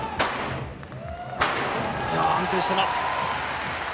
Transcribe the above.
安定しています。